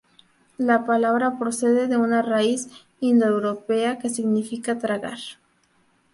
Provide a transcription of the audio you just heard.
La palabra procede de una raíz indoeuropea que significa tragar.